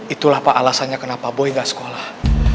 itulah pak alasannya kenapa boy gak sekolah